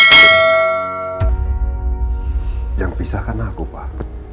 jangan pisahkan aku pak